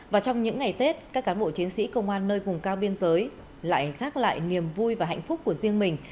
và trong những ngày tết các cán bộ chiến sĩ công an nơi vùng cao biên giới lại gác lại niềm vui và hạnh phúc của riêng mình